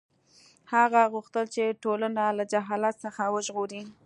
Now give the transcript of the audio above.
هغه غوښتل چې ټولنه له جهالت څخه وژغوري.